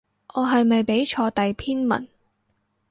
你係咪畀錯第篇文